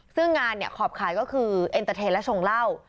ซึ่งงานเนี่ยขอบขายก็คือเอ็นเตอร์เทนและชงเหล้า